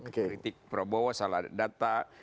kritik prabowo salah data